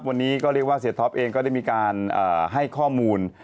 วันนี้ก็เรียกว่าเสียท็อปเองก็ได้มีการให้ข้อมูล